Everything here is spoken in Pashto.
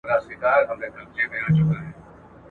چي پر اړخ به راواړاوه مېرمني